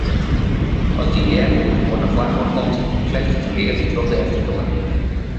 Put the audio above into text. As de earmoed oan 'e foardoar komt, flechtet de leafde troch de efterdoar.